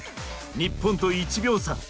日本と１秒差！